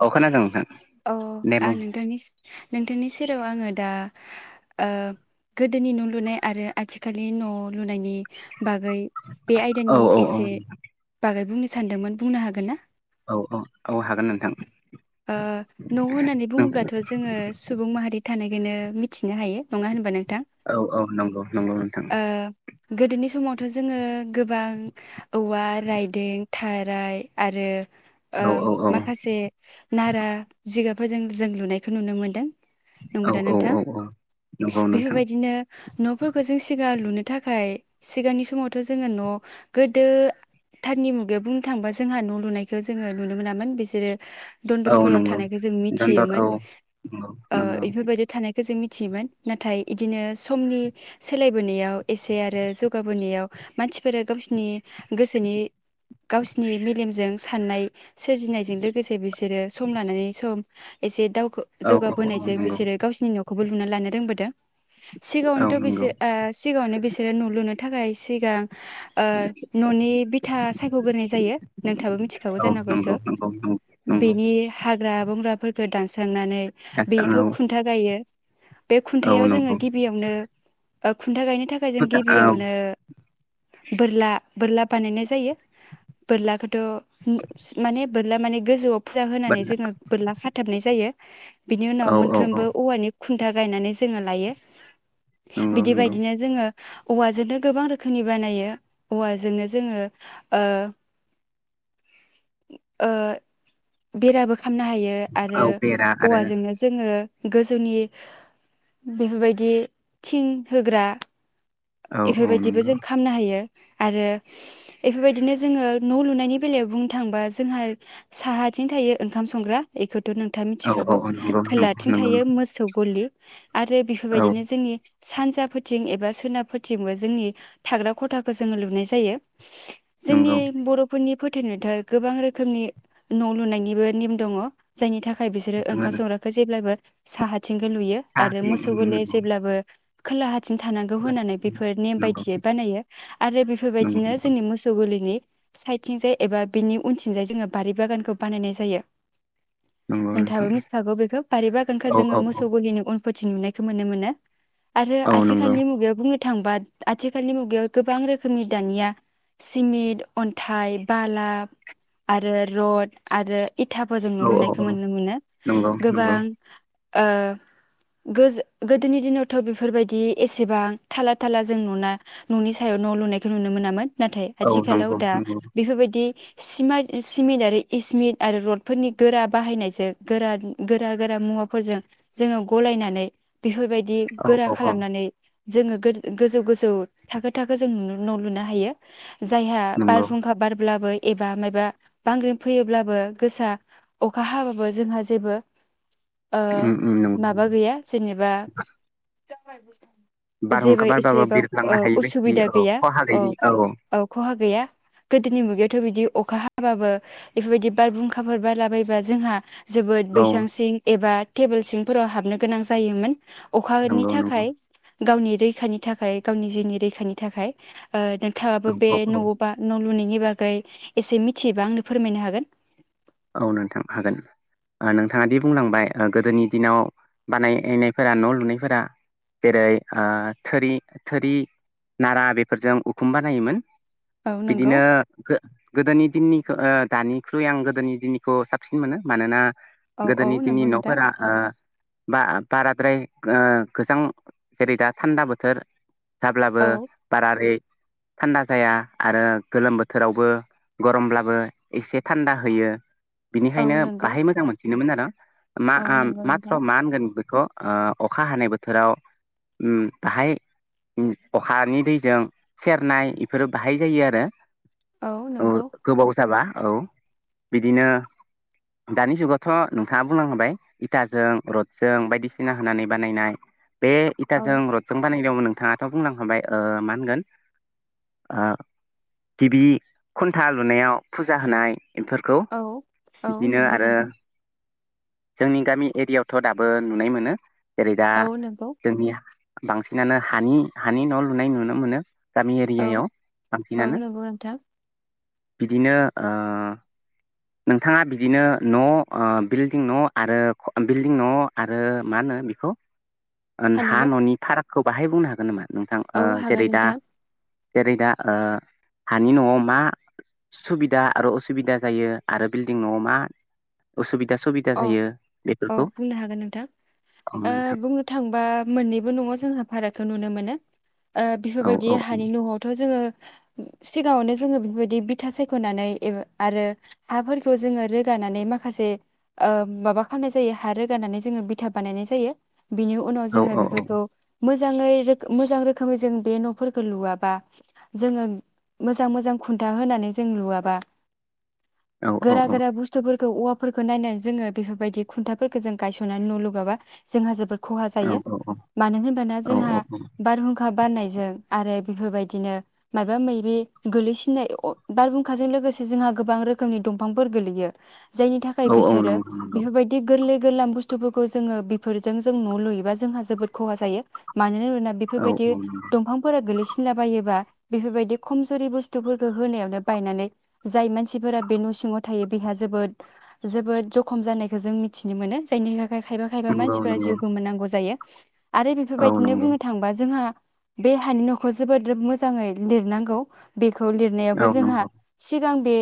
औ खोनादों नोंथां। अ दे आं बुं नोंथांनि [unintelligible] नोंथांनि सेराव आङो दा ओ गोदोनि न' लुनाय आरो आथिखालनि न' लुनायनि बागै बे औ आयदानि औ औ एसे बागै बुंनो सानदोंमोन बुंनो हागोन ना? औ औ औ हागोन नोंथां। ओ न' होननानै बुङोब्लाथ' जोङो सुबुं माहारि थानायखौनो मिथिनो हायो नङा होनबा नों [unintelligible] औ औ नंगौ नंगौ नोंथां। गोदोनि समावथ' जोङो गोबां औवा रायदों, थाराय आरो ओ औ औ औ माखासे नारा जिगाबफोरजों जों लुनायखौ नुनो मोन्दों। औ नंगौदा औ नोंथां औ औ नंगौ नोंथां बेफोरबायदिनो न'फोरखौ जों सिगां लुनो थाखाय सिगांनि समावथ' जोङो न' गोदोथारनि मुगायाव बुंनो थांबा जोंहा न' लुनायखौ जोङो नुनो मोनामोन बिसोरो औ दन्दरफोराव नंगौ थानायखौ जों दन्दर औ मिथियोमोन नंगौ ओ नंगौ इफोरबायदि थानायखौ जों [unintelligible] मिथियोन नाथाय बिदिनो समनि सोलायबोनायाव एसे आरो जौगाबोनायाव मानसिफोरा गावसिनि गोसोनि गावसिनि मेलेमजों साननाय सोरजिनायजों [unintelligible] लोगोसे बिसोरो सम लानानै सम एसे दाव [unintelligible] औ औ जौगाबोनायजों नंगौ बिसोरो गावसिनि न' [unintelligible] लुनानै लानो रोंबोदों। औ सिगाङावनोथ' बि नंगौ सिगाङावनो बिसोर न' लुनो [unintelligible] थाखाय सिगां ओ न'नि बिथा सायख'ग्रोनाय जायो नोंथांआबो मिथिखागौ औ जानागौ इखौ। नंगौ नंगौ नंगौ नंगौ बेनि [unintelligible] हाग्रा-बंग्राफोरखौ दानस्रांनानै औ औ बेखौ नंगौ औ खुन्था गायो। बे औ खुन्थायाव जोङो गिबियावनो [unintelligible] खुन्था गायनो थाखाय जों गिबियावनो बोरला बोरला बानायनाय जायो बोरलाखोथ' ओ माने बो ला माने गोजौ फुजा होनानै जोङो बोरला खाथाबनाय जायो बिनि उनाव मोनफ्रोमबो औवानि खुन्था गायनानै जोङो लायो नंगौ बिदि नंगौ बायदिनो जोङो औवाजोंनो गोबां रोखोमनि बानायो औवाजोंनो जोङो ओ ओ बेराबो खामनो हायो आरो औ बेरा आरो औवाजोंनो जोङो गोजौनि बेफोरबायदि थिं होग्रा औ औ बेफोरबायदिबो नंगौ जों खालामनो हायो आरो बेफोरबायदिनो जोङो न' लुनायनि बेलायाव बुंनो थांबा जोंहा साहाथिं थायो ओंखाम संग्रा बेखौ' नोंथाङा औ औ मिथिखागौ नंगौ खोलाथिं नंगौ नंगौ थायो मोसौ गलि आरो औ बेफोरबायदिनो जोंनि सानजा फोथिं एबा सोनाब फोथिंबो जोंनि थाग्रा खथाखौ जोङो लुनाय जायो जोंनि नंगौ बर'फोरनि फोथायनायथ' गोबां रोखोमनि न' लुनायनिबो निम दङ जायनि थाखाय आइ बिसोरो ओंखाम जोङो संग्राखौ जेब्लाबो साहा थिंखौ लुयो आरो साख्रि मोसौ गलि नंगौ जेब्लाबो खोलाहा थिं थानांगौ होननानै बेफोर नेम नंगौ बायदियै बानायो आरो नंगौ बेफोरबायदिनो जोंनि मोसौ गलिनि साइदथिंजाय एबा बिनि उनथिंजाय जोङो बारि बागानखौ बानायनाय जायो नंगौ नोंथां नोंथाङाबो मिथिखागौ बेखौ बारिबा गोनखो औ जोङो औ औ मोसौ गलिनि उन फोथि नुनायखौ मोनो मोनो आरो औ नंगौ आथिखालनि मुगायाव बुंनो थांबा आथिखालनि मुगायाव गोबां रोखोमनि दानिया सिमेन्ट अन्थाइ बाला आरो रड आरो इथाफोरजों औ नु औ लुनायखौ मोनो मोनो नंगौ नंगौ गोबां ओ गोजो गोदोनि दिनावथ' बेफोरबायदि एसेबां थाला थाला जों न'ना न'नि सायाव न' लुनायखौ नुनो मोनामोन नाथाय औ आथिखालाव नंगौ दा नंगौ बेफोरबायाददि सिमाइट सिमेन्टारि इसमिन्ट आरो रडफोरनि गोरा बाहायनायजों गोरा गोरा गोरा मुवाफोरजों जोङो गलायनानै बेफोरबायदि बिदि औ गोरा औ औ खालामनानै जोङो गोजौ गोजौ थाखो थाखो जों न' लुनो हायो। जायहा नंगौ बारहुंखा बारब्लाबो एबा मायबा बांग्रि फैयोब्लाबो गोसा अखा हाबाबो जोंहा जेबो ओ उम उम नंगौ माबा गैया जेनेबा [unintelligible] जेबो बारहुंखा बारबाबो एसेबां ओ बिरलांनो हायि बायदि असुबिदा औ गैया खहा अ गैयि औ औ खहा गैया गोदोनि मुगायाव थ' बादि अखा हाबाबो बेफोरबायदि बारहुंखाफोर बारला बायबा जोंहा जोबोद औ बैसांसिं एबा टेबोल सिंफोराव हाबनो गोनां जायोमोन। अखानि नंगौ नंगौ थाखाय रैखानि थाखाय गावनि जिउनि रैखानि थाखाय ओ औ थाङाबो बे औ औ न'बा न' लुनायनि बागै एसे मिथियोबा आंनो फोरमायनो हागोन। औ नोंथां हागोन नोंथाङा दि बुंलांबाय गोदोनि दिनाव बानायनायफोरा न' लुनायफोरा जेरै ओ थोरि नारा बेफोरजों उखुम बानायोमोन। औ नंगौ बिदिनो गोदोनि दिननि ओ दानिख्रुइ आं गोदोनि दिनखौ साबसिन मोनो मानोना औ औ गोदोनि दिननि नंगौ नोंथां न'फोरा ओ बा बाराद्राय ओ गोजां जेरै दा सान्दा बोथोर जाब्लाबो औ बारारै थान्दा जाया आरो गोलोम बोथोरावबो गरमब्लाबो एसे थान्दा होयो। औ बिनिखायनो नंगौ बाहाय मोजां मोनसिनोमोन आरो। [inaudible] [unintelligible] औ नंगौ मा नोंथां होनगोन बेफोरखौ ओ अखा हानाय बोथोराव उम बाहाय उम अखानि दैजों सेरनाय एफोरो बाहाय जायो आरो। औ नोंगौ‌। जाबा औ। बिदिनो दानि जुगावथ' नोंथाङा बुंलां खाबाय इथाजों रडजों बायदिसिना होनानै बानायनाय बे औ इथाजों रडजों बानाय नोंथाङाथ' बुंलाखाबाय ओ मा होनगोन ओ गिबि खुन्था लुनायाव फुजा होनाय एफोर औ औ नंगौ नोंथां। जोंनि गामि एरियायावथ' दाबो नुनाय मोनो। जेरै दा औ नंगौ जोंनिया बांसिनानो हानि हानि न' लुनाय नुनो मोनो। गामि औ एरियायाव औ बांसिनानो नंगौ नोंथां बिदिनो ओ नोंथाङा बिदिनो न' बिल्डिं न' आरो बिल्डिं न' आरो मा होनो बेखौ हा थारैनो न'नि फाराग खौ बाहाय बुंनो हागोन नामा? नोंथां ओ औ हागोन जेरै दा नोंथां जेरै दा ओ हानि न'आव मा सुबिदा आरो असुबिदा जायो। आरो बिल्डिं न'आव मा उसुबिदा सुबिदा अ जायो औ बेफोरखौ बुंनो हागोन नोंथां औ नोंथां बुंनो थांबा मोननैबो न'आव ज जोंहा भारतखौ नुनो मोनो। औ बेफोरबायदि औ हानि न'आवथ' जोङो सिगाङावनो जोङो बेफोरबायदि बिथा सायख'नानै आरो हाफोरखौ जोङो रोगानानै माखासे माबा खालामनाय जायो हा रोगानानै जोङो बिथा बानायनाय जायो। बिनि उनाव औ जोङो औ बेफोरखौ मोजाङै मोजां रोखोमै जों बे न'फोरखौ लुवाबा जोङो मोजां मोजां खुन्था होनानै जों लुवाबा औ गोरा औ औ गोरा बुस्थुफोर खौ औवाफोरखौ नायनानै जोङो बेफोरबायदि खुन्थाफोरफोरखौ जों गायसननानै न' लुगाबा जोंहा जोबोद खहा जायो मानो होनबाना औ जोंहा बारहुंखा बारनायजों आरो बेफोरबायदिनो माबा माबि गोलैसिननाय बारहुंखाजों लोगोसे जोंहा गोबां रोखोमनि दंफांफोर गोलैयो। जायनि थाखाय औ बिसोरो नंगौ नंगौ बेफोरबायदि गोरलै-गोरलाम बुस्थुफोरखौ जोङो बेफोरजों जों न' लुयोबा जोंहा जोबोद खहा जायो मानो होनो ना औ बेफोरबायदि औ दंफांफोरा गोगलै सिनला बायोब्ला बेफोरबायदि खमजुरि बुस्थुफोरखौ होनायावनो बायनानै जाय मानसिफोरा बे न' सिङाव थायो बेहा जोबोद जोबोद जख खम जानायखौ जों मिथिनो मोनो जायनि थाखाय खायफा-खायफा नंगौ मानसिफोरा नंगौ जिउ गोमा नांगौ जायो। आरो औ बेफोरबायदिनो नंगौ बुंनो थांबा जोंहा बे हानि न'खौ जोबोद मोजाङै लिरनांगौ बे खौ लिरनायावबो औ जोंहा नंगौ सिगां बे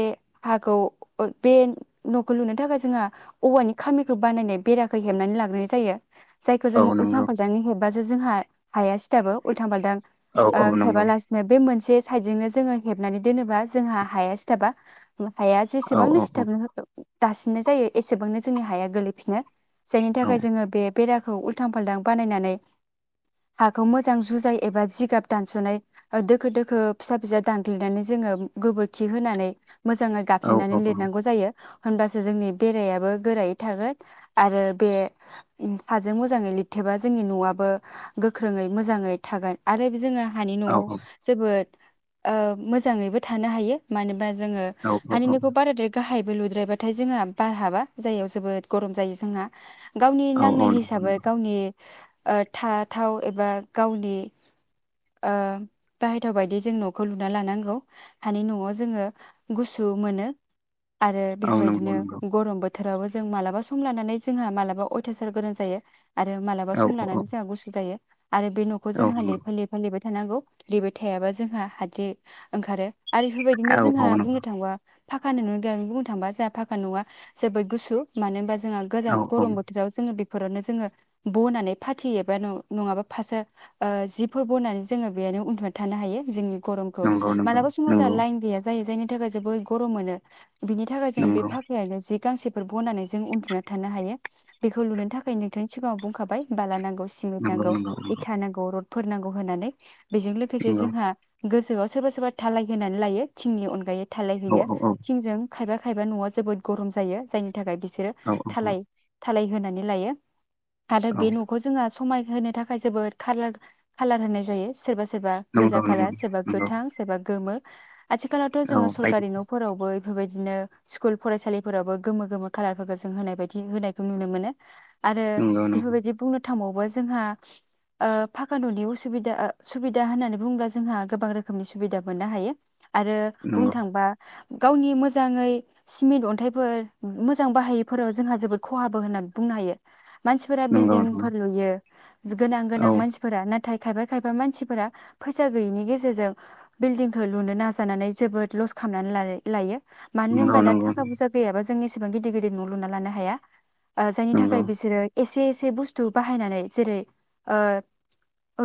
हाखौ ओ बे न'खौ लुनो थाखाय जोंहा औवानि खामिखौ बानायनाय बेराखौ हेबनानै लाग्रोनाय जायो। जायखौ जोङो औ उल्थां नंगौ फाल्थाङै होब बासो जोंहा हाया सिथाबो उल्थां फाल्थां औ औ ओं नंगौ हेबालासिनो बे मोनस से सायदजोंनो जोङो हेबनानै दोनोबा जोंहा हाया सिथाबा। ला हाया औ जेसेबांनो औ सिथाबा दासिननाय जायो। एसेबांनो जोंनि हाया गोलैफिनो। जायनि थाखाय औ जोङो बे बेराखौ उल्थां फाल्थां बानायनानै हाखौ मोजां जुजाय एबा जिगाब दानस'नाय ओ दोखो दोखो फिसा फिसा दानग्लिनानै जोङो उम गोबोरखि होनानै मोजाङै औ गाबफ्लेनानै औ लिरनांगौ जायो। होनबासो जोंनि बेरायाबो गोरायै थागोन। आरो बे हाजों मोजाङै लिरथेबा जोंनि न'आबो गोख्रोङै मोजाङै थागोन। आरो जोङो हानि न'आव जोबोद ओ मोजाङैबो थानो हायो मानोबा जोङो हानि न'खौ बाराद्राय गाहाय बो लुद्रायाबाथाय जोंहा बार हाबा जायाव जोबोद गरम जायो जोंहा। गावनि औ नांनाय नंगौ हिसाबै नंगौ गावनि ओ था थाव एबा गावनि ओ बाहायथाव बायदि जों न'खौ लुना लानांगौ हानि न'आव जोङो गुसु मोनो। आरो औ नंगौ बेफोरबायदिनो नंगौ गरम बोथोरावबो जों मालाबा सम लानानै जोंहा मालाबा अयथासार गरम जायो। आरो मालाबा औ सम लानानै औ जोंहा गुसु जायो। आरो बे न'खौ औ जोंहा नंगौ लिरफा लिरफा लिबाय थानांगौ लिरबाय थायाबा जोंहा हाद्रि ओंखारो। आरो औ इफोरबायदिनो जोंहा औ नंगौ बुंनो थाङोबा फाखा नोङो [unintelligible] गुबुन थांबा जोंहा फाखा न'आ जोबोद गुसु मानो होमबा जो जोंहा गोजां औ औ गरम बोथोराव जोङो बिख फोरावनो जोङो बनानै फाथियो एबा न-नङाबा फासो ओ जिफोर बनानै जोङो बेहायनो उन्दुनानै थानो हायो जोंनि गरमखौ नंगौ नंगौ मालाबा समाव जाहा नंगौ लाइन गैया जायो जायनि थाखाय जोबोर गरम मोनो। बिनि थाखाय जों बे नंगौ फाख जि गासेफोर बनानै जों उन्दुना थानो हायो। बेखौ लुनो थाखाय नोंथांनि सिगाङाव बुंखाबाय बाला नांगौ सिमिट नंगौ नांगौ नंगौ नंगौ इथा नांगौ रड फोर नांगौ होनानै बेजों लोगोसे नंगौ जोंहा गोसोआव सोरबा सोरबा धालाय होनानै लायो थिंनि अनगायै। औ धालायहैयो औ थिंजों खायबा खायबा न'आ जोबोद गरम जायो जायनि थाखाय बिसोरो औ धालाय धालाय होनानै दि लायो आरो औ बे न'खौ जोंङा सुख समाय होनो थाखाय जोबोद खालार खालार होनाय जायो सोरबा सो सोरबा गोजा नंगौ नंगौ खालार, सोरबा नंगौ गोथां, सोरबा गोमो आथिखालावथ' औ जोङो बायदि सरकारि न'फोरावबो बेफोरबायदिनो स्कुल फरायसालिफोरावबो गोमो गोमो खालारफोरखौ जों होनाय बायदि होनायखौ नुनो मोनो। आरो नंगौ नंगौ बेफोरबायदि बुंनो थांबावबा जोंहा ओ फाखा न'नि उसुबिदा ओ सुबिदा होननानै बुङोब्ला जोंहा गोबां रोखोमनि सुबिदा मोननो हायो। आरो बुंनो नंगौ थांबा गावनि मोजाङै सिमिट अन्थाइफोर उम मोजां बाहायैफोराव जोंहा जोबोद खहाबो होनना बुंनो हायो। मानसिफोरा नंगौ नंगौ बिल्डिंफोर लुयो। जों गोनां औ गोनां मानसिफोरा नाथाय खायफा खायफा मानसिफोरा फैसा गैयैनि गेजेरजों बिल्डिंखौ लुनो नाजानानै जोबोद लस खामनानै लाय लायो। मानो नंगौ होमबा दा नंगौ थाखा बुजा गैयाबा जोंनिस सेबां गिदिर गिदिर न' लुना लानो हाया। ओ जायनि नंगौ थाखाय बिसोरो एसे एसे बुस्थु बाहायनानै जेरै ओ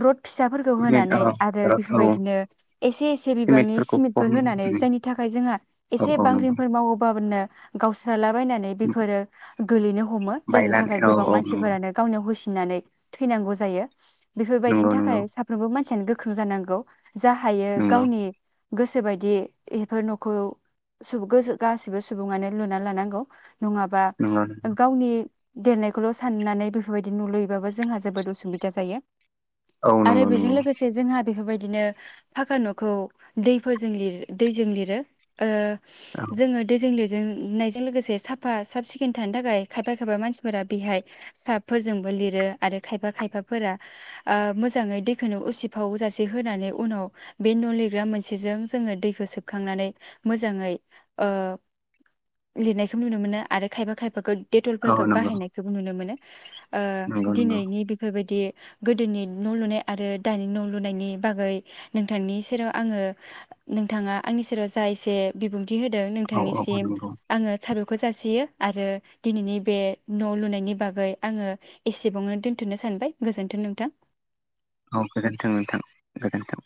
रड फिसाफोरखौ सिमेन्ट होनानै आरो औ औ बेफोरबायदिनो एसे एसे बिबांनि सिमेन्टफोरखौ सिमिटफोर खम होनानै जायनि थाखाय जोंहा औ एसे औ नंगौ बांग्रिंफोर मावो गाबोननो गावस्राला बायनानै बेफोरो गोलैनो हमो जायनि थाखाय बायलानो गोबां औ नंगौ मानसिफोरानो गावनियाव होसि हिननानै थैनांगौ जायो। बेफोरबायदिनि नंगौ थाखाय नंगौ साफ्रोमबो मानस सेन गोख्रों जानांगौ। जा हायो नंगौ गावनि गोसोबायदि एफोर नखौ सोब गोजो गासिबो सुबुङानो लुना लानांगौ। नङाबा नंगौ गावनि देरनायखौल' साननानै बेफोरबायदि नुलुयोबाबो जोंहा जोबोद उसुबिदा जायो। औ आरो नंगौ बेजों नंगौ लोगोसे जोंहा बेफोरबाय दिनो फाखा न'खौ दैफोरजों लिरो दैजों लिरो ओ औ जोङो दैजों लिर नायजों लोगोसे साफा साफ सिखोन थानो थाखाय खायफा खायफा मानसिफोरा बेहाय स्राबफोरजोंबो लिरो आरो खायफा खायफाफोरा ओ मोजाङै दैखौनो उसिफाव जासे होनानै उनाव बे न' लिरग्रा मोनसेजों जोङो दैखौ सोबखांनानै मोजाङै ओ लिरनायखौ नुनो मोनो आरो खायफा खायफाखौ टेटलफोरखौ औ नंगौ बाहायनायखौबो नुनो मोनो। ओ नंगौ नंगौ दिनैनि बेफोरबायदि गोदोनि न' लुनाय आरो दानि न' लुनायनि बागै नोंथांनि सेराव आङो नोंथाङा आंनि सेराव जा एसे बिबुं थि होदों औ औ नोंथांनिसिम नंगौ आङो साबाय खौ जासियो आरो दिनैनि बे न' लुनायनि बागै आङो एसेबांनो दोनथ'नो सानबाय गोजोन्थों नोंथां। औ गोजोनथों नोंथां गोजोनथों।